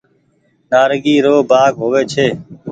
نآريگي رو ڀآگ هووي ڇي۔